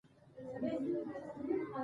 زه د ښوونځي وخت نه ضایع کوم.